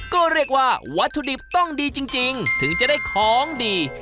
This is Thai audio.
ก็เรียกว่าวัตถุดิบต้องดีจริงถึงจะได้ของดี